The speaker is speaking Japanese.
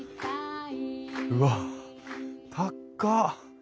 うわっ高っ。